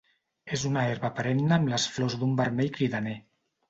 És una herba perenne amb les flors d'un vermell cridaner.